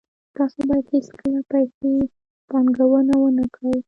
تاسو باید هیڅکله هغه پیسې پانګونه ونه کړئ